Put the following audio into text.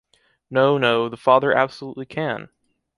No, no, the father absolutely can